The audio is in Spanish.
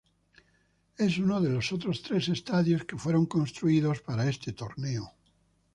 Es uno de los otros tres estadios que fueron construidos para este torneo.